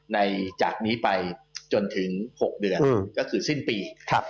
จากนี้ไปจนถึง๖เดือนก็คือสิ้นปี